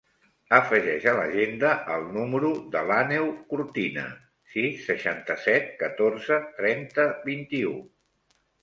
Afegeix a l'agenda el número de l'Àneu Cortina: sis, seixanta-set, catorze, trenta, vint-i-u.